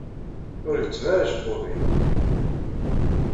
Ur gezzem ara acebbub-nnek!